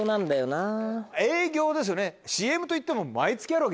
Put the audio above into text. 営業ですよね。